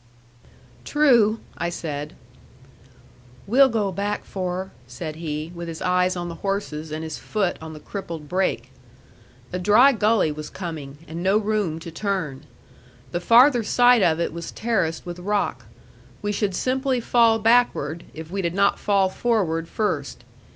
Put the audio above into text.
"True," I said. "We'll go back for her," said he, with his eye on the horses and his foot on the crippled brake. A dry gully was coming, and no room to turn. The farther side of it was terraced with rock. We should simply fall backward, if we did not fall forward first.